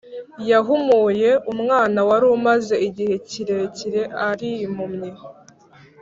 Yahumuye umwana warumaze igihe kirekire arimpumyi